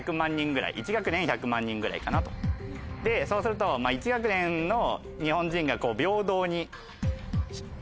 そうすると１学年の日本人が。